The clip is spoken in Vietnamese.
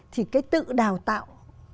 thì cái tự đào tạo